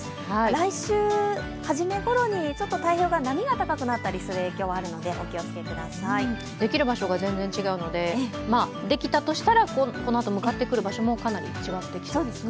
来週初めごろに太平洋側、波が高くなったりする影響があるのでできる場所が全然違うので、できたとしたら、このあと向かってくる場所もかなり変わってくる。